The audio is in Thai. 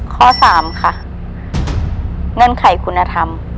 ข้อ๓ค่ะเงื่อนไขคุณธรรม